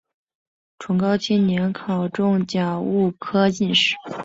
崇祯七年考中甲戌科进士。